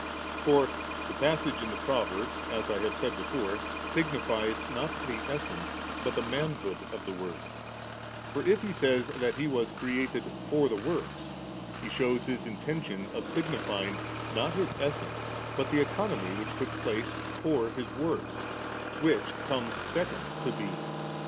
For the passage in the Pro verbs, as I have said before, signifies, not ibe Essence, but the manhood of the Word ; for if He says that He was created * for the works,' He shews His intention of signifying, not His Essence, but the Economy whidi took place * for His works/ which comes second to being.